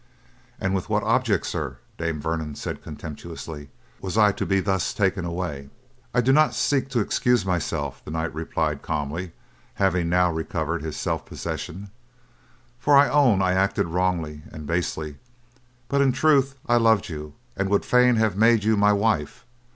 "And with what object, sir," Dame Vernon said contemptuously, "was I to be thus taken away?" "I do not seek to excuse myself," the knight replied calmly, having now recovered his self possession, "for I own I acted wrongly and basely; but in truth I loved you, and would fain have made you my wife.